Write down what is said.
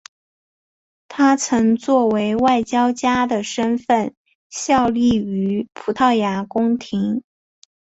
他曾作为外交家的身份效力于葡萄牙宫廷。